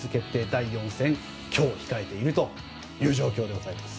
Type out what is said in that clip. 第４戦、今日を控えているという状況でございます。